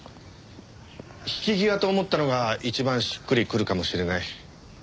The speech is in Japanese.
引き際と思ったのが一番しっくりくるかもしれない。